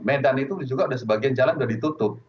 medan itu juga sebagian jalan sudah ditutup